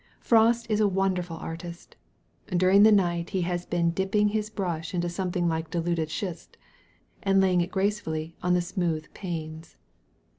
Frost is a wonderful artist; during the night he has been dipping his brush into something like diluted schist, and laying it gracefully on the smooth panes.